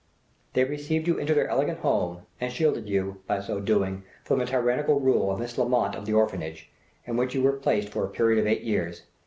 "They received you into their elegant home, and shielded you, by so doing, from the tyrannical rule of Miss Lamont of 'The Orphanage,' in which you were placed for a period of eight years.